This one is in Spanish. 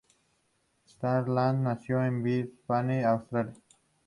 Sutherland nació en Brisbane, Australia.